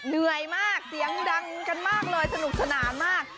เหนื่อยมากเสียงดังกันมากเลยสนุกสนานมาก